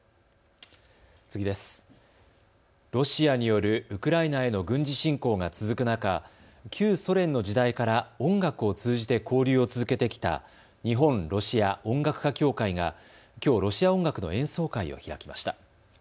ロシアによるウクライナへの軍事侵攻が続く中、旧ソ連の時代から音楽を通じて交流を続けてきた日本・ロシア音楽家協会がきょうロシア音楽の演奏会を開きました。